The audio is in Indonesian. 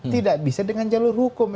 tidak bisa dengan jalur hukum